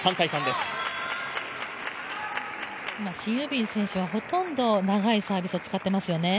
シン・ユビン選手はほとんど長いサービスを使ってますよね。